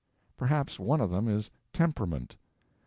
Perhaps one of them is temperament.